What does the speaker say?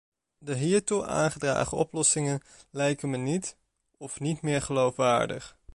De hiertoe aangedragen oplossingen lijken me niet, of niet meer geloofwaardig.